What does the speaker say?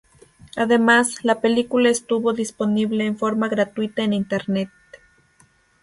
Además, la película estuvo disponible de forma gratuita en internet.